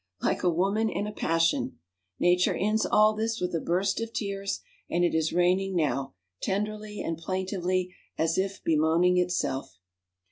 Like a woman in a passion, Nature ends all this with a burst of tears; and it is raining now, tenderly and plaintively as if bemoaning itself.